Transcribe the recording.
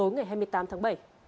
ngày hai mươi tám tháng bảy